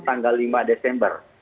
tanggal lima desember